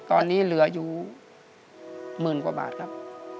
ตอนนี้เหลืออยู่หมื่นกว่าบาทครับ